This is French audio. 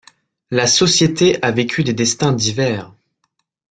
La Société a vécu des destins divers.